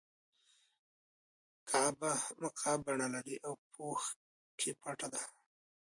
کعبه مکعب بڼه لري او په پوښ کې پټه ده.